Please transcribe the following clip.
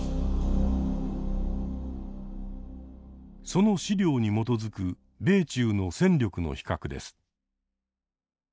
その資料に基づく米中の戦力の比較です。